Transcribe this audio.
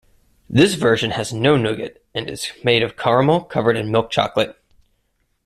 This version has no nougat and is made of caramel covered in milk chocolate.